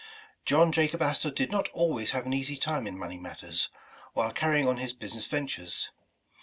John Jacob Astor did not always have an easy time 84 Home and Family in money matters, while carrying on his business ven tures.